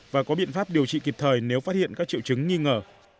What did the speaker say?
và có biện pháp điều trị kịp thời nếu phát hiện các triệu chứng nghi ngờ